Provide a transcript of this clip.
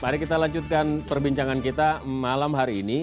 mari kita lanjutkan perbincangan kita malam hari ini